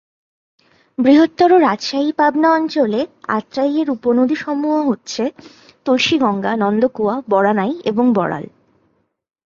বৃহত্তর রাজশাহী-পাবনা অঞ্চলে আত্রাই-এর উপনদীসমূহ হচ্ছে: তুলসীগঙ্গা, নন্দকুয়া, বরানাই এবং বড়াল।